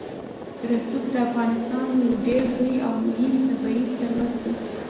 رسوب د افغانستان یو ډېر لوی او مهم طبعي ثروت دی.